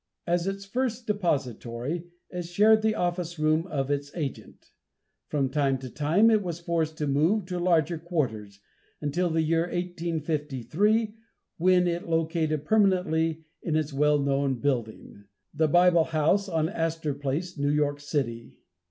As its first depository, it shared the office room of its agent. From time to time it was forced to move to larger quarters, until the year 1853, when it located permanently, in its well known building, The Bible House, on Astor Place, New York city.